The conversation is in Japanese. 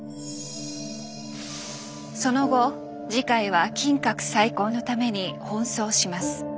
その後慈海は金閣再建のために奔走します。